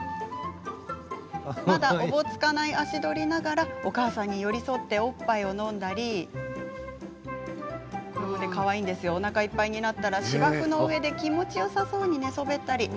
まだおぼつかない足取りながらお母さんに寄り添っておっぱいを飲んだりおなかいっぱいになったら芝生の上で気持ちよさそうに寝そべったり。